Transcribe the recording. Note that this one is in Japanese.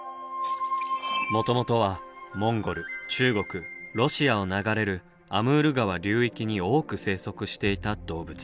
もともとはモンゴル中国ロシアを流れるアムール川流域に多く生息していた動物。